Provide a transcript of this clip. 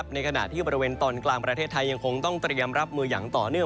ในขณะที่บริเวณตอนกลางประเทศไทยยังคงต้องเตรียมรับมืออย่างต่อเนื่อง